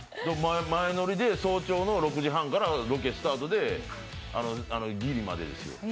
前乗りで早朝の６時半からロケスタートでギリまで。